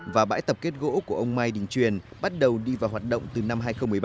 và bãi tập kết gỗ của ông mai đình truyền bắt đầu đi vào hoạt động từ năm hai nghìn một mươi ba